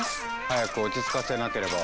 早く落ち着かせなければ。